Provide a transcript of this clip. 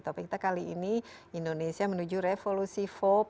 topik kita kali ini indonesia menuju revolusi empat